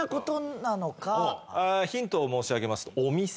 ヒントを申し上げます。